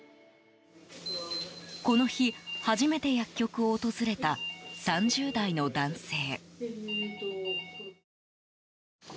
この日、初めて薬局を訪れた３０代の男性。